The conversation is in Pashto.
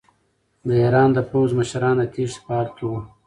د ایران د پوځ مشران د تېښتې په حال کې وو.